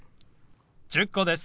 １０個です。